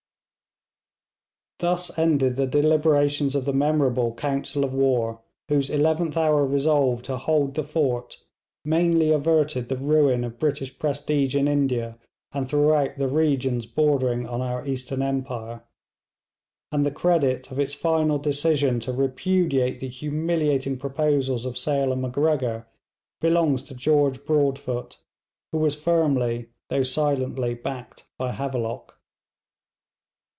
Thus ended the deliberations of the memorable council of war, whose eleventh hour resolve to 'hold the fort' mainly averted the ruin of British prestige in India and throughout the regions bordering on our Eastern Empire; and the credit of its final decision to repudiate the humiliating proposals of Sale and Macgregor belongs to George Broadfoot, who was firmly though silently backed by Havelock.